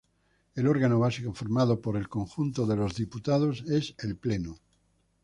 El órgano básico formado por el conjunto de los diputados es el pleno.